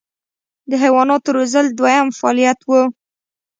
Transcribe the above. د حیواناتو روزل دویم فعالیت و.